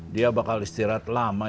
dia bakal istirahat lama